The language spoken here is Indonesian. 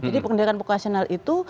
jadi pendidikan vocasional itu